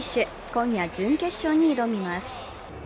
今夜、準決勝に挑みます。